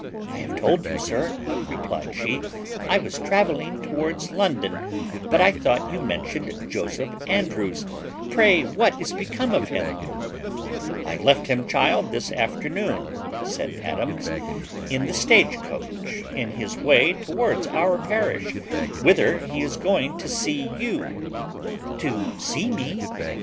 "I have told you, sir," replied she, "I was travelling towards London; but I thought you mentioned Joseph Andrews; pray what is become of him?" "I left him, child, this afternoon," said Adams, "in the stage coach, in his way towards our parish, whither he is going to see you." "To see me!